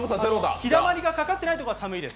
ひだまりがかかってないところは寒いです。